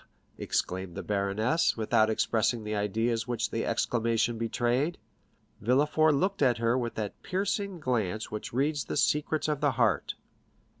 exclaimed the baroness, without expressing the ideas which the exclamation betrayed. Villefort looked at her with that piercing glance which reads the secrets of the heart.